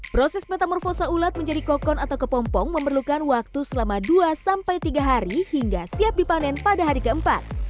proses metamorfosa ulat menjadi kokon atau kepompong memerlukan waktu selama dua sampai tiga hari hingga siap dipanen pada hari keempat